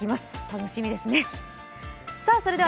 楽しみですね。